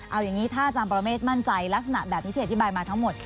เอาอย่างนี้ถ้าอาจารย์ปรเมฆมั่นใจลักษณะแบบนี้ที่อธิบายมาทั้งหมด